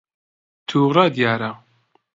تووڕە دیارە.